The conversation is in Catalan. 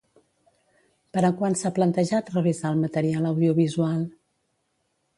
Per a quan s'ha plantejat revisar el material audiovisual?